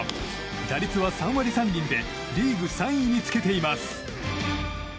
打率は３割３厘でリーグ３位につけています。